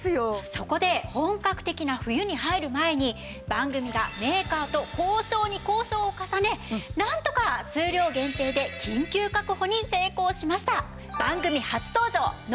そこで本格的な冬に入る前に番組がメーカーと交渉に交渉を重ねなんとか数量限定で緊急確保に成功しました！